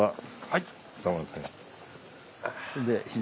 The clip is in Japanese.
はい。